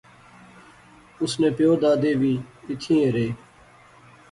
اس نے پیو دادے وی ایتھیں ایہہ رہے